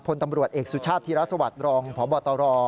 พลตำรวจเอกสุชาติธิรสวัสดิ์รองพบตร